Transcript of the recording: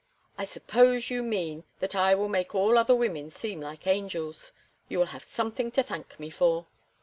"I suppose you mean that I will make all other women seem like angels. You will have something to thank me for."